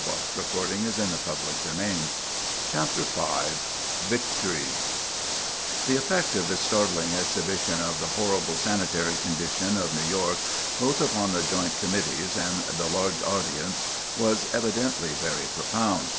V VICTORY [Sidenote: Effect of the Hearing] The effect of this startling exhibition of the horrible sanitary condition of New York, both upon the joint committees and the large audience, was evidently very profound.